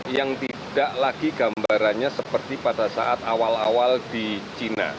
yang tidak lagi gambarannya seperti pada saat awal awal di cina